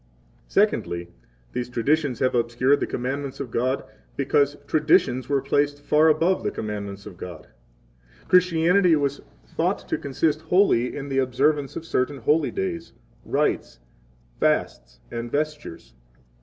8 Secondly, these traditions have obscured the commandments of God, because traditions were placed far above the commandments of God. Christianity was thought to consist wholly in the observance of certain holy days, rites, fasts, and vestures.